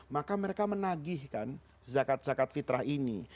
maka mereka menagihkan zakat zakat fitrah ini